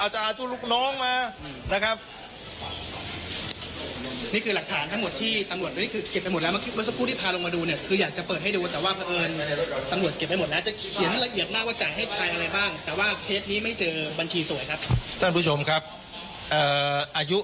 อาจจะเอาชุดลูกน้องมาอืมนะครับนี่คือหลักฐานทั้งหมดที่